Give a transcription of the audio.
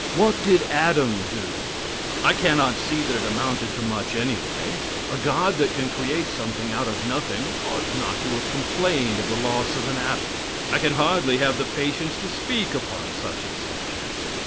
What did Adam do? I cannot see that it amounted to much anyway. A god that can create something out of nothing ought not to have complained of the loss of an apple. I can hardly have the patience to speak upon such a subject.